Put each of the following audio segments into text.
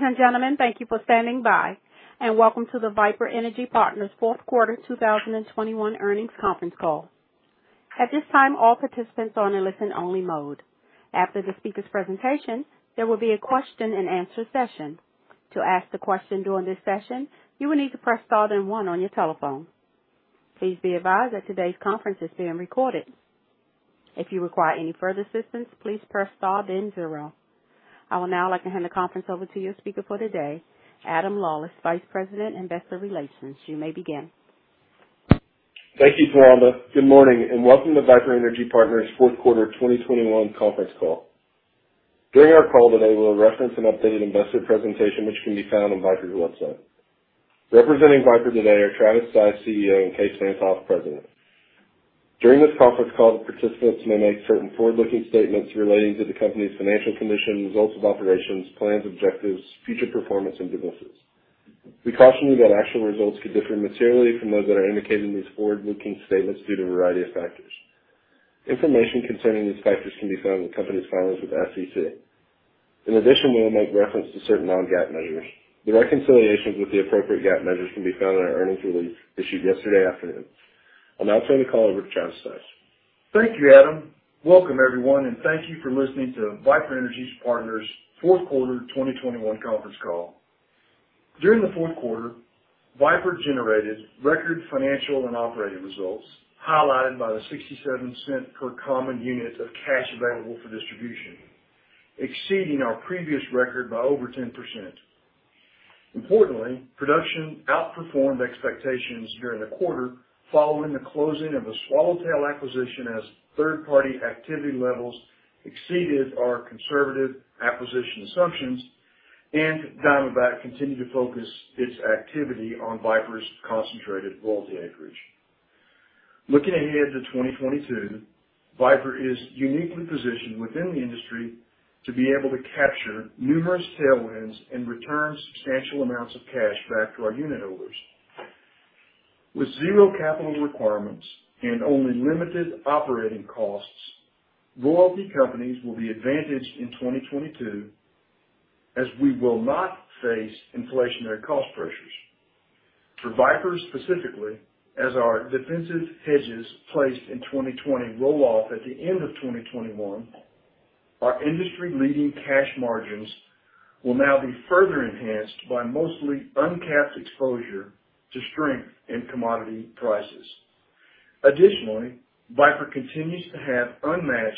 Ladies and gentlemen, thank you for standing by, and welcome to the Viper Energy Partners Fourth Quarter 2021 Earnings Conference Call. At this time, all participants are in listen only mode. After the speaker's presentation, there will be a question and answer session. To ask the question during this session, you will need to press star then one on your telephone. Please be advised that today's conference is being recorded. If you require any further assistance, please press star then zero. I would now like to hand the conference over to your speaker for today, Adam Lawlis, Vice President, Investor Relations. You may begin. Thank you, Rhonda. Good morning, and welcome to Viper Energy Partners Fourth Quarter 2021 conference call. During our call today, we'll reference an updated investor presentation, which can be found on Viper's website. Representing Viper today are Travis Stice, CEO, and Kaes Van't Hof, President. During this conference call, the participants may make certain forward-looking statements relating to the company's financial condition, results of operations, plans, objectives, future performance, and businesses. We caution you that actual results could differ materially from those that are indicated in these forward-looking statements due to a variety of factors. Information concerning these factors can be found in the company's filings with the SEC. In addition, we will make reference to certain non-GAAP measures. The reconciliations with the appropriate GAAP measures can be found in our earnings release issued yesterday afternoon. I'll now turn the call over to Travis Stice. Thank you, Adam. Welcome everyone, and thank you for listening to Viper Energy Partners' Fourth Quarter 2021 conference call. During the fourth quarter, Viper generated record financial and operating results highlighted by the $0.67 per common unit of cash available for distribution, exceeding our previous record by over 10%. Importantly, production outperformed expectations during the quarter following the closing of the Swallowtail acquisition as third-party activity levels exceeded our conservative acquisition assumptions, and Diamondback continued to focus its activity on Viper's concentrated royalty acreage. Looking ahead to 2022, Viper is uniquely positioned within the industry to be able to capture numerous tailwinds and return substantial amounts of cash back to our unit holders. With zero capital requirements and only limited operating costs, royalty companies will be advantaged in 2022, as we will not face inflationary cost pressures. For Viper specifically, as our defensive hedges placed in 2020 roll off at the end of 2021, our industry-leading cash margins will now be further enhanced by mostly uncapped exposure to strength in commodity prices. Additionally, Viper continues to have unmatched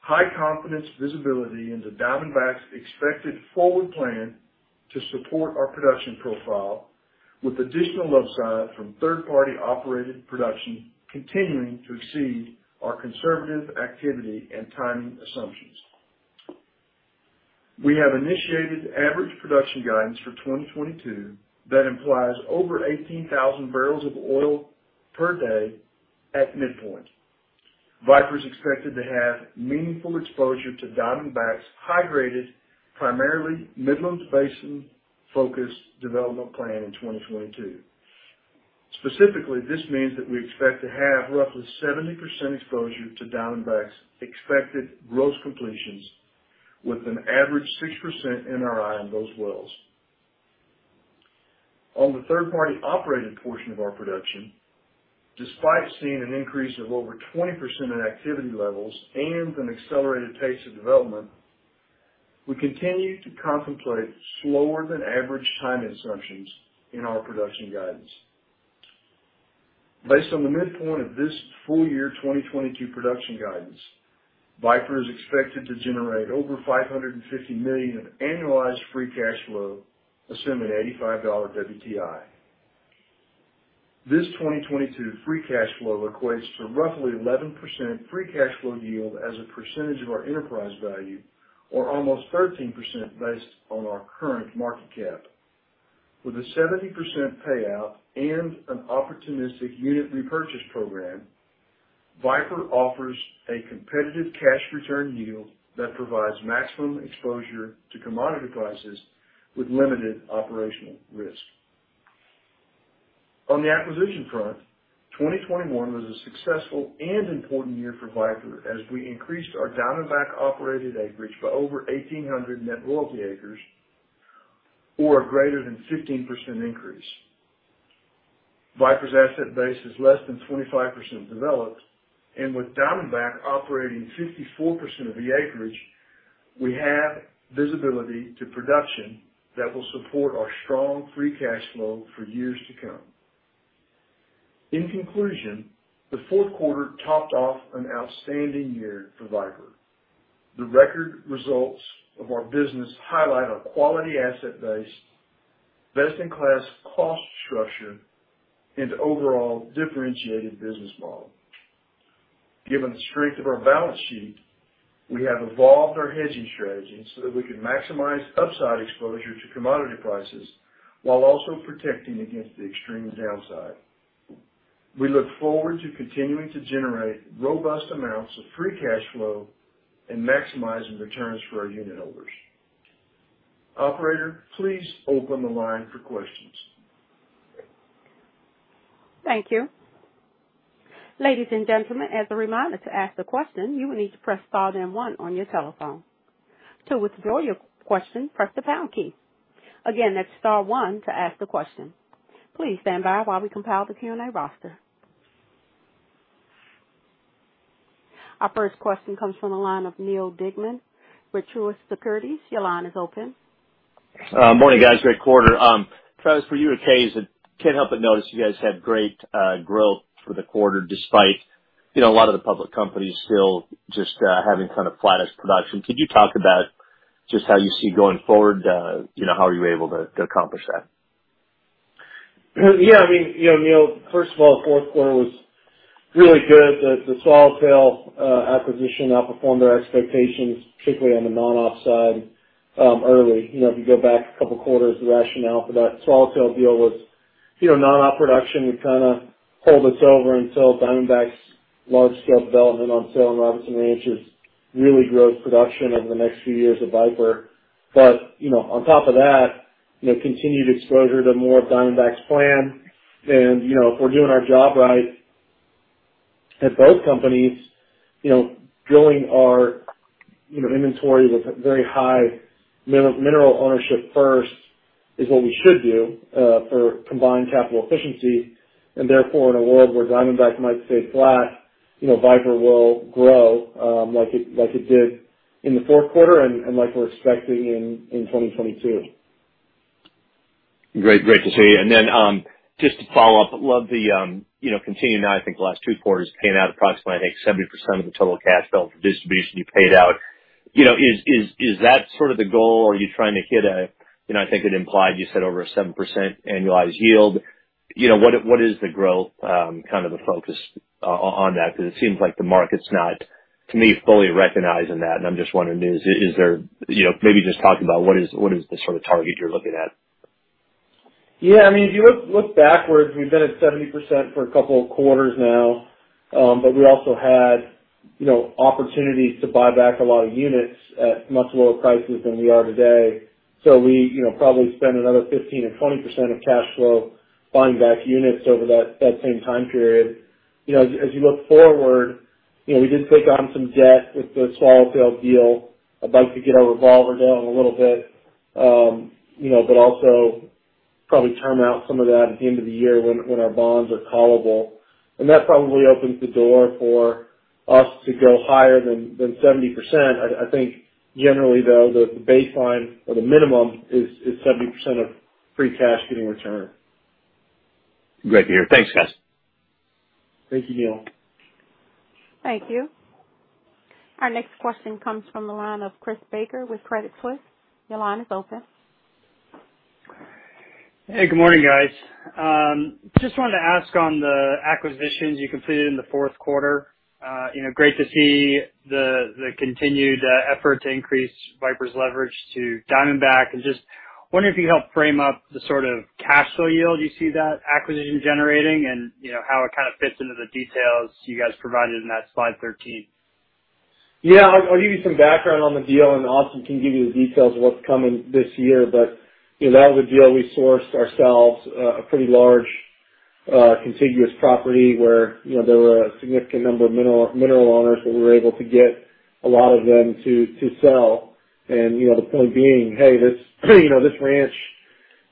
high confidence visibility into Diamondback's expected forward plan to support our production profile with additional upside from third-party operated production continuing to exceed our conservative activity and timing assumptions. We have initiated average production guidance for 2022 that implies over 18,000 barrels of oil per day at midpoint. Viper is expected to have meaningful exposure to Diamondback's high-rated, primarily Midland Basin-focused development plan in 2022. Specifically, this means that we expect to have roughly 70% exposure to Diamondback's expected gross completions with an average 6% NRI on those wells. On the third-party operated portion of our production, despite seeing an increase of over 20% in activity levels and an accelerated pace of development, we continue to contemplate slower than average timing assumptions in our production guidance. Based on the midpoint of this full year 2022 production guidance, Viper is expected to generate over $550 million of annualized free cash flow, assuming $85 WTI. This 2022 free cash flow equates to roughly 11% free cash flow yield as a percentage of our enterprise value or almost 13% based on our current market cap. With a 70% payout and an opportunistic unit repurchase program, Viper offers a competitive cash return yield that provides maximum exposure to commodity prices with limited operational risk. On the acquisition front, 2021 was a successful and important year for Viper as we increased our Diamondback operated acreage by over 1,800 net royalty acres or greater than 15% increase. Viper's asset base is less than 25% developed, and with Diamondback operating 54% of the acreage, we have visibility to production that will support our strong free cash flow for years to come. In conclusion, the fourth quarter topped off an outstanding year for Viper. The record results of our business highlight our quality asset base, best-in-class cost structure, and overall differentiated business model. Given the strength of our balance sheet, we have evolved our hedging strategy so that we can maximize upside exposure to commodity prices while also protecting against the extreme downside. We look forward to continuing to generate robust amounts of free cash flow and maximizing returns for our unit holders. Operator, please open the line for questions. Thank you. Ladies and gentlemen, as a reminder, to ask the question, you will need to press star then one on your telephone. To withdraw your question, press the pound key. Again, that's star one to ask the question. Please stand by while we compile the Q&A roster. Our first question comes from the line of Neal Dingmann with Truist Securities. Your line is open. Morning, guys. Great quarter. Travis, for you and Kaes, can't help but notice you guys had great growth for the quarter despite, you know, a lot of the public companies still just having kind of flattish production. Could you talk about just how you see going forward, you know, how are you able to accomplish that? Yeah, I mean, you know, Neal, first of all, fourth quarter was really good. The Swallowtail acquisition outperformed our expectations, particularly on the non-op side, early. You know, if you go back a couple quarters, the rationale for that Swallowtail deal was, you know, non-op production would kinda hold us over until Diamondback's large-scale development on-scale, and Robertson Ranch's real growth production over the next few years at Viper. But, you know, on top of that, you know, continued exposure to more of Diamondback's plan. You know, if we're doing our job right at both companies, you know, drilling our inventory with very high mineral ownership first is what we should do for combined capital efficiency. Therefore, in a world where Diamondback might stay flat, you know, Viper will grow, like it did in the fourth quarter and like we're expecting in 2022. Great. Great to see. Then, just to follow up, love the, you know, continuing now I think the last two quarters, paying out approximately, I think, 70% of the total cash flow for distribution you paid out. You know, is that sort of the goal? Are you trying to hit a. You know, I think it implied you said over a 7% annualized yield. You know, what is the growth kind of the focus on that? Because it seems like the market's not, to me, fully recognizing that. I'm just wondering, is there. You know, maybe just talk about what is the sort of target you're looking at. Yeah, I mean, if you look backwards, we've been at 70% for a couple of quarters now, but we also had, you know, opportunities to buy back a lot of units at much lower prices than we are today. We, you know, probably spend another 15% or 20% of cash flow buying back units over that same time period. You know, as you look forward, you know, we did take on some debt with the Swallowtail deal. I'd like to get our revolver down a little bit, you know, but also probably term out some of that at the end of the year when our bonds are callable. That probably opens the door for us to go higher than 70%. I think generally though, the baseline or the minimum is 70% of free cash getting returned. Great to hear. Thanks, guys. Thank you, Neal. Thank you. Our next question comes from the line of Chris Baker with Credit Suisse. Your line is open. Hey, good morning, guys. Just wanted to ask on the acquisitions you completed in the fourth quarter, you know, great to see the continued effort to increase Viper's leverage to Diamondback. Just wondering if you helped frame up the sort of cash flow yield you see that acquisition generating and, you know, how it kind of fits into the details you guys provided in that slide 13. Yeah. I'll give you some background on the deal, and Austen can give you the details of what's coming this year. You know, that was a deal we sourced ourselves, a pretty large contiguous property where, you know, there were a significant number of mineral owners that we were able to get a lot of them to sell. You know, the point being, hey, this ranch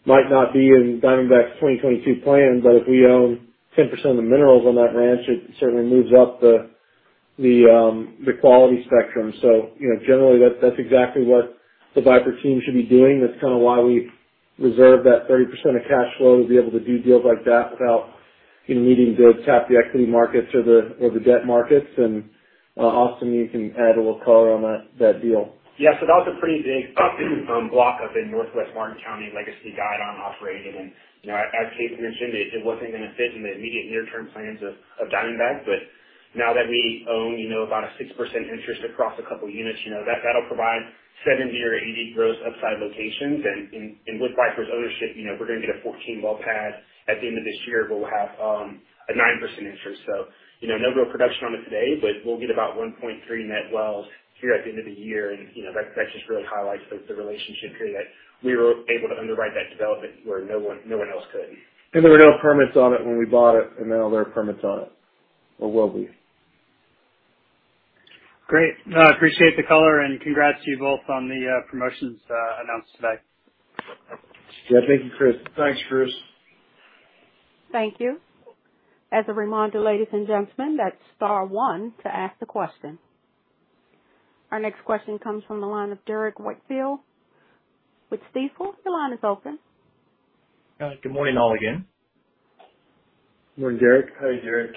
might not be in Diamondback's 2022 plan, but if we own 10% of the minerals on that ranch, it certainly moves up the quality spectrum. You know, generally that's exactly what the Viper team should be doing. That's kinda why we've reserved that 30% of cash flow to be able to do deals like that without, you know, needing to go tap the equity markets or the debt markets. Austen, you can add a little color on that deal. Yeah. That was a pretty big block up in Northwest Martin County, legacy Guidon Operating. You know, as kaes mentioned, it wasn't gonna fit in the immediate near-term plans of Diamondback, but now that we own, you know, about a 6% interest across a couple units, you know, that'll provide seven-year AD growth upside locations. With Viper's ownership, you know, we're gonna get a 14-well pad. At the end of this year, we'll have a 9% interest. You know, no real production on it today, but we'll get about 1.3 net wells here at the end of the year. You know, that just really highlights the relationship here that we were able to underwrite that development where no one else could. There were no permits on it when we bought it, and now there are permits on it or will be. Great. No, I appreciate the color, and congrats to you both on the promotions announced today. Yeah. Thank you, Chris. Thanks, Chris. Thank you. As a reminder, ladies and gentlemen, that's star one to ask the question. Our next question comes from the line of Derrick Whitfield with Stifel. Your line is open. Good morning, all again. Morning, Derrick. Hi, Derrick.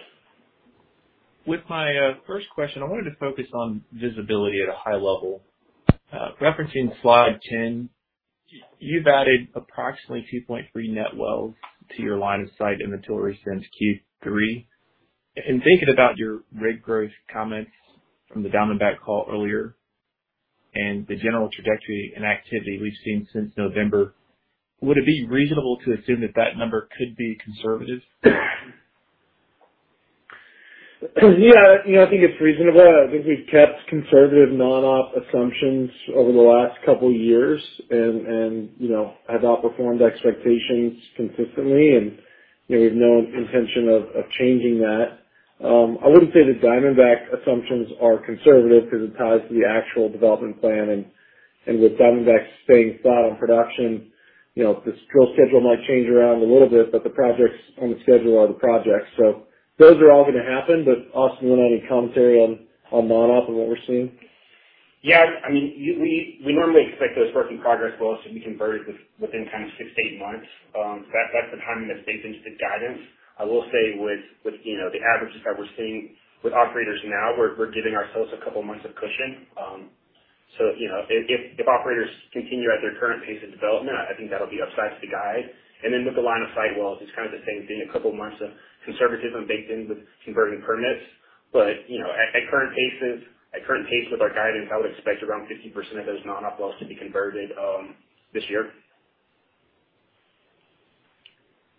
With my first question, I wanted to focus on visibility at a high level. Referencing slide 10, you've added approximately 2.3 net wells to your line of sight inventory since Q3. In thinking about your rig growth comments from the Diamondback call earlier and the general trajectory and activity we've seen since November, would it be reasonable to assume that that number could be conservative? Yeah. You know, I think it's reasonable. I think we've kept conservative non-op assumptions over the last couple years and you know have outperformed expectations consistently. You know, we have no intention of changing that. I wouldn't say the Diamondback assumptions are conservative because it ties to the actual development plan. With Diamondback staying spot on production, you know, the drill schedule might change around a little bit, but the projects on the schedule are the projects. Those are all gonna happen. Austen, you want any commentary on non-op and what we're seeing? Yeah. I mean, we normally expect those work in progress wells to be converted within kind of six to eight months. That's been kind of baked into the guidance. I will say with, you know, the averages that we're seeing with operators now, we're giving ourselves a couple months of cushion. So, you know, if operators continue at their current pace of development, I think that'll be upside to guide. With the line of sight wells, it's kind of the same thing. A couple months of conservatism baked in with converting permits. You know, at current pace with our guidance, I would expect around 50% of those non-op wells to be converted this year.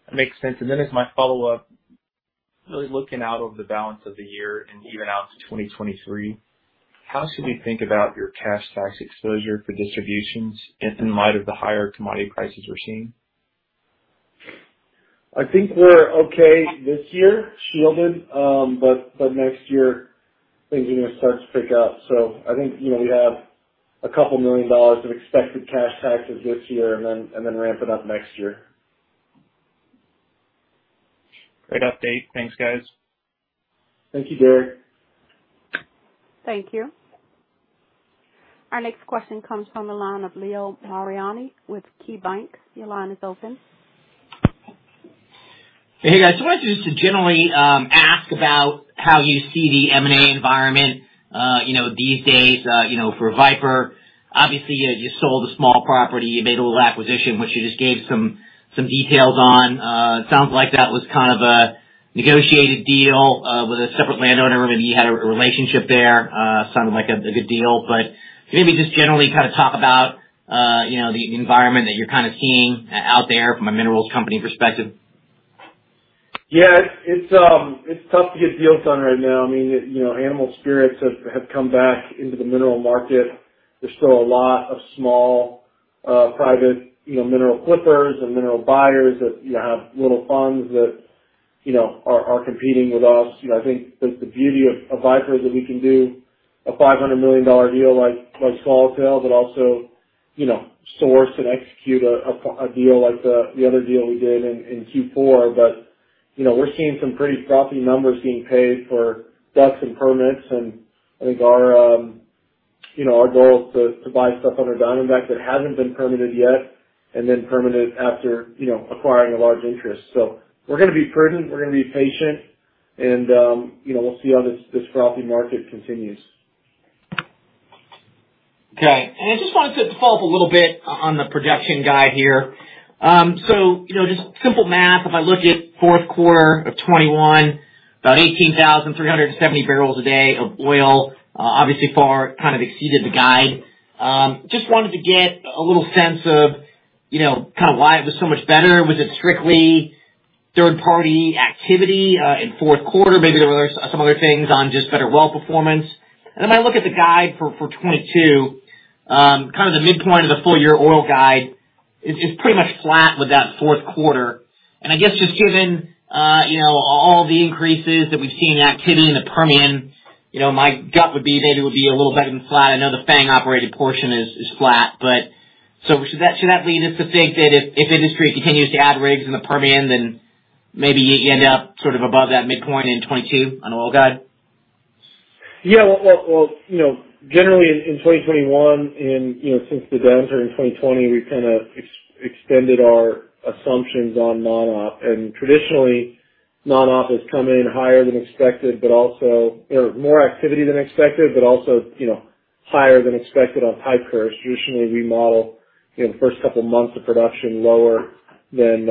That makes sense. As my follow-up, really looking out over the balance of the year and even out to 2023, how should we think about your cash tax exposure for distributions in light of the higher commodity prices we're seeing? I think we're okay this year, shielded, but by next year, things are gonna start to pick up. I think, you know, we have $2 million of expected cash taxes this year and then ramp it up next year. Great update. Thanks, guys. Thank you, Derrick Whitfield. Thank you. Our next question comes from the line of Leo Mariani with KeyBank. Your line is open. Hey, guys. I wanted to generally ask about how you see the M&A environment, you know, these days, you know, for Viper. Obviously, you just sold a small property. You made a little acquisition, which you just gave some details on. It sounds like that was kind of a negotiated deal with a separate landowner. Maybe you had a relationship there. Sounded like a good deal. Can maybe just generally kind of talk about, you know, the environment that you're kind of seeing out there from a minerals company perspective. Yeah. It's tough to get deals done right now. I mean, you know, animal spirits have come back into the mineral market. There's still a lot of small, private, you know, mineral flippers and mineral buyers that, you know, have little funds that, you know, are competing with us. You know, I think that the beauty of Viper is that we can do a $500 million deal like Swallowtail, but also, you know, source and execute a deal like the other deal we did in Q4. You know, we're seeing some pretty frothy numbers being paid for DUCs and permits. I think our goal is to buy stuff under Diamondback that hasn't been permitted yet and then permit it after acquiring a large interest. We're gonna be prudent, we're gonna be patient, and, you know, we'll see how this frothy market continues. Okay. I just wanted to follow up a little bit on the production guide here. So, you know, just simple math. If I look at fourth quarter of 2021, about 18,370 barrels a day of oil, obviously far kind of exceeded the guide. Just wanted to get a little sense of, you know, kind of why it was so much better. Was it strictly third party activity in fourth quarter? Maybe there were other things on just better well performance. If I look at the guide for 2022, kind of the midpoint of the full year oil guide is just pretty much flat with that fourth quarter. I guess just given all the increases that we've seen in activity in the Permian, my gut would be maybe it would be a little better than flat. I know the FANG operated portion is flat, but should that lead us to think that if the industry continues to add rigs in the Permian, then maybe you end up sort of above that midpoint in 2022 on oil guide? Yeah. Well, you know, generally in 2021 and, you know, since the downturn in 2020, we've kinda extended our assumptions on non-op. Traditionally, non-op has come in higher than expected but also more activity than expected, but also, you know, higher than expected on type curves. Traditionally, we model, you know, the first couple months of production lower than,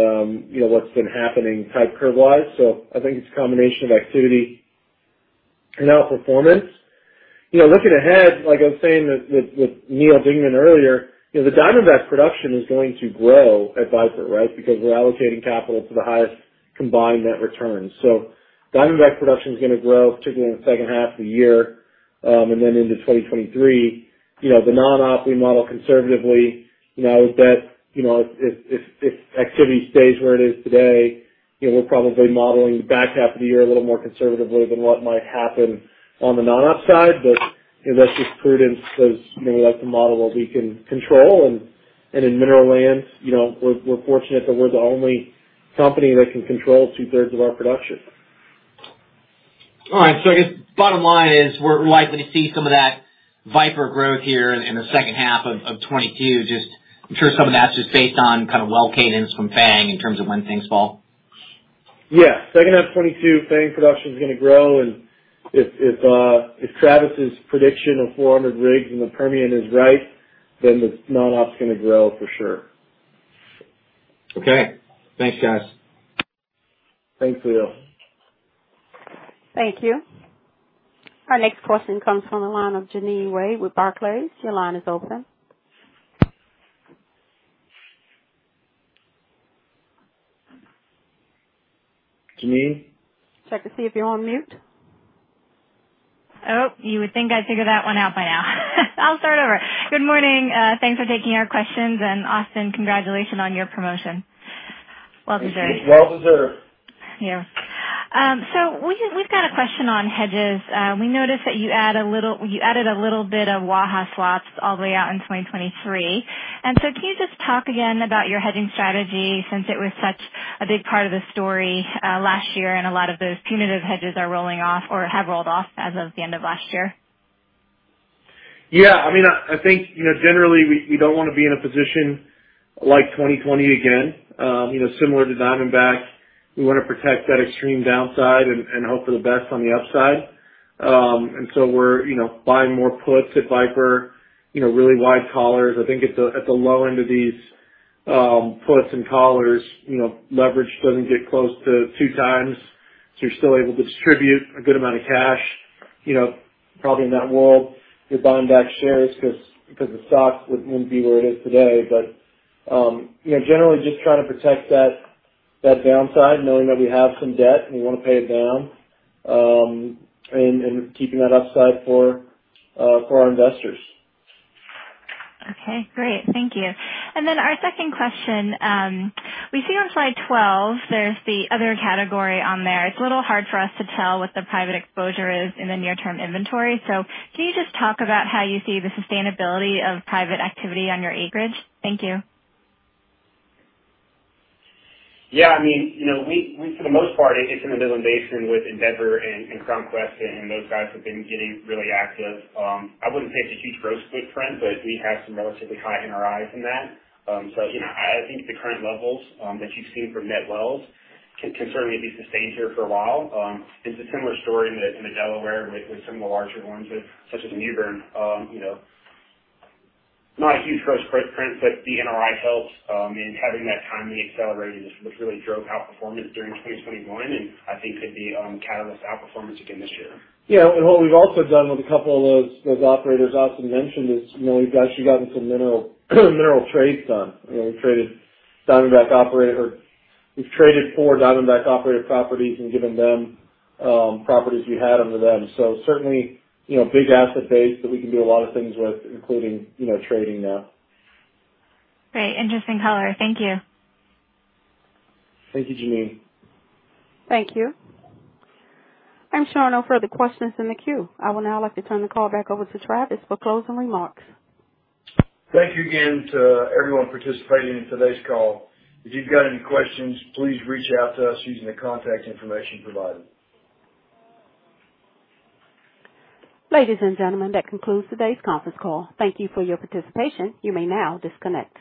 you know, what's been happening type curve wise. I think it's a combination of activity and outperformance. You know, looking ahead, like I was saying with Neal Dingmann earlier, you know, the Diamondback production is going to grow at Viper, right? Because we're allocating capital to the highest combined net return. So Diamondback production is gonna grow, particularly in the second half of the year, and then into 2023. You know, the non-op we model conservatively, you know, with that. You know, if activity stays where it is today, you know, we're probably modeling the back half of the year a little more conservatively than what might happen on the non-op side. You know, that's just prudence because, you know, we like to model what we can control. In mineral lands, you know, we're fortunate that we're the only company that can control two-thirds of our production. All right. I guess bottom line is we're likely to see some of that Viper growth here in the second half of 2022. Just, I'm sure some of that's just based on kind of well cadence from FANG in terms of when things fall. Yeah. Second half 2022, FANG production is gonna grow. If Travis's prediction of 400 rigs in the Permian is right, then the non-op's gonna grow for sure. Okay. Thanks, guys. Thanks, Leo. Thank you. Our next question comes from the line of Jeanine Wai with Barclays. Your line is open. Janine? Check to see if you're on mute. Good morning. Thanks for taking our questions. Austen, congratulations on your promotion. Well deserved. Well deserved. Yeah. We've got a question on hedges. We noticed that you added a little bit of Waha swaps all the way out in 2023. Can you just talk again about your hedging strategy since it was such a big part of the story last year, and a lot of those punitive hedges are rolling off or have rolled off as of the end of last year? Yeah. I mean, I think, you know, generally we don't wanna be in a position like 2020 again. You know, similar to Diamondback, we wanna protect that extreme downside and hope for the best on the upside. We're, you know, buying more puts at Viper, you know, really wide collars. I think at the low end of these puts and collars, you know, leverage doesn't get close to 2x. You're still able to distribute a good amount of cash, you know, probably in that world. You're buying back shares because the stock wouldn't be where it is today. You know, generally just trying to protect that downside, knowing that we have some debt and we wanna pay it down, and keeping that upside for our investors. Okay, great. Thank you. Our second question. We see on slide 12 there's the other category on there. It's a little hard for us to tell what the private exposure is in the near term inventory. Can you just talk about how you see the sustainability of private activity on your acreage? Thank you. Yeah. I mean, you know, we for the most part it's in the Midland Basin with Endeavor and CrownQuest and those guys have been getting really active. I wouldn't say it's a huge growth spurt trend, but we have some relatively high NRIs in that. So, you know, I think the current levels that you've seen from net wells can certainly be sustained here for a while. It's a similar story in the Delaware with some of the larger ones such as Mewbourne. You know, not a huge growth spurt trend, but the NRI helps in having that timing accelerated, which really drove our performance during 2021, and I think could be catalyst for outperformance again this year. Yeah. What we've also done with a couple of those operators Austin mentioned is, you know, we've actually gotten some mineral trades done. You know, we've traded Diamondback operated or we've traded for Diamondback operated properties and given them properties we had under them. Certainly, you know, big asset base that we can do a lot of things with, including, you know, trading now. Great. Interesting color. Thank you. Thank you, Jeanine. Thank you. I'm showing no further questions in the queue. I would now like to turn the call back over to Travis for closing remarks. Thank you again to everyone participating in today's call. If you've got any questions, please reach out to us using the contact information provided. Ladies and gentlemen, that concludes today's conference call. Thank you for your participation. You may now disconnect.